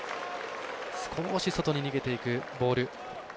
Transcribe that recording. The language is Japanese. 少し外に逃げていくボール。